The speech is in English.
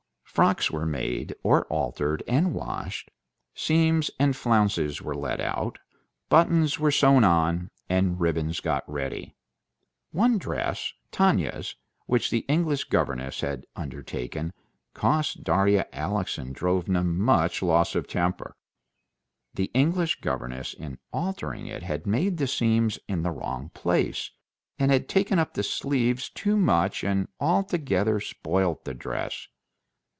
Frocks were made or altered and washed, seams and flounces were let out, buttons were sewn on, and ribbons got ready. One dress, Tanya's, which the English governess had undertaken, cost Darya Alexandrovna much loss of temper. The English governess in altering it had made the seams in the wrong place, had taken up the sleeves too much, and altogether spoilt the dress.